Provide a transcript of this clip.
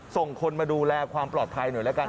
ส่งคนมาดูแลความปลอดภัยหน่อยแล้วกัน